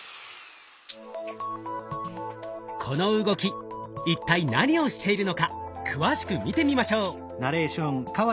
この動き一体何をしているのか詳しく見てみましょう。